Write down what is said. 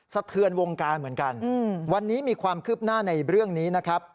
สะเทือนวงการเหมือนกันวันนี้มีความคืบหน้าในเรื่องนี้นะครับ